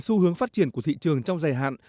xu hướng phát triển của thị trường trong dài hạn